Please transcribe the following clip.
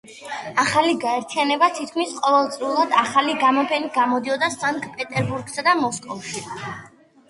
ახალი გაერთიანება თითქმის ყოველწლიურად ახალი გამოფენით გამოდიოდა სანქტ-პეტერბურგსა და მოსკოვში.